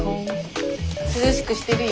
涼しくしてるよ。